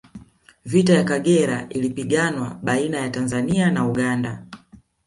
vita ya Kagera ilipiganwa baina ya tanzania na uganda